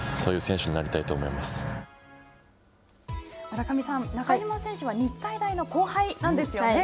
村上さん、中島選手は日体大の後輩なんですよね。